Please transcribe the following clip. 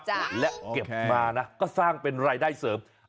และเก็บมานะก็สร้างเป็นรายได้เสริม